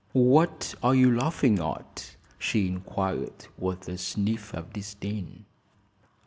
"What are you laughing at?" she inquired, with a sniff of disdain.